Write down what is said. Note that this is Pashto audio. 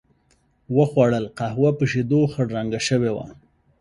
و خوړل، قهوه په شیدو خړ رنګه شوې وه.